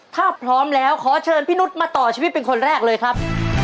ถ้าพร้อมแล้วขอเชิญพี่นุษย์มาต่อชีวิตเป็นคนแรกเลยครับ